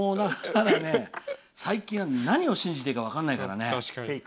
最近は何を信じていいか分からないからね。